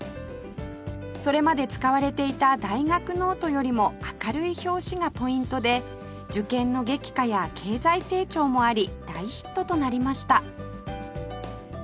それまで使われていた大学ノートよりも明るい表紙がポイントで受験の激化や経済成長もあり大ヒットとなりました